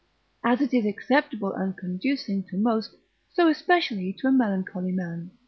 As it is acceptable and conducing to most, so especially to a melancholy man.